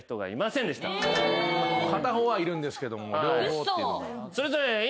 片方はいるんですけども両方っていうのが。